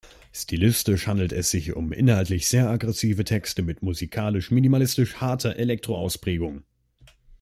Stilistisch handelt es sich um inhaltlich sehr aggressive Texte mit musikalisch minimalistisch-harter Elektro-Ausprägung.